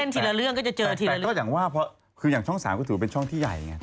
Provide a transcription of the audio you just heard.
แต่ก็อย่างว่าคืออย่างช่อง๓ก็ถือว่าเป็นช่องที่ใหญ่